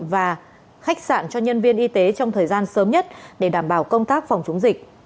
và khách sạn cho nhân viên y tế trong thời gian sớm nhất để đảm bảo công tác phòng chống dịch